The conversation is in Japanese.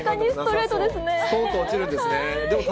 すとんと落ちるんですね。